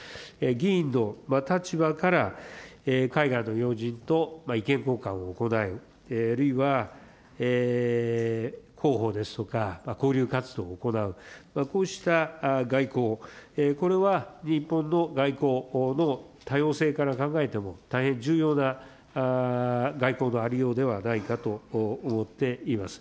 議員の立場から海外の要人と意見交換を行う、あるいは広報ですとか、交流活動を行う、こうした外交、これは日本の外交の多様性から考えても、大変重要な外交のありようではないかと思っています。